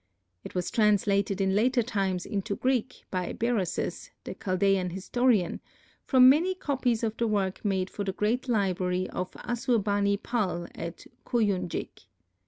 It was translated in later times into Greek by Berosus, the Chaldean historian, from many copies of the work made for the great library of Assur bani pal, at Kouyunjik.